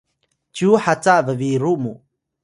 cyu haca bbiru mu